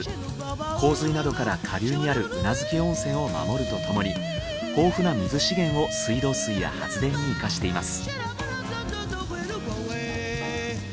洪水などから下流にある宇奈月温泉を守るとともに豊富な水資源を水道水や発電に生かしています。